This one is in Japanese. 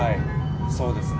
そうですね。